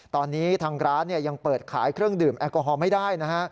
ตอนนี้ทางร้านยังเปิดขายเครื่องดื่มแอลกอฮอล์ไม่ได้นะฮะ